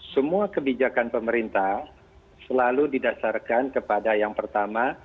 semua kebijakan pemerintah selalu didasarkan kepada yang pertama